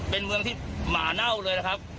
เป็นเมืองที่หมาเน่าเลยนะครับ